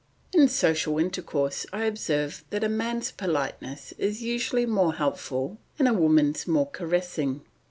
In social intercourse I observe that a man's politeness is usually more helpful and a woman's more caressing.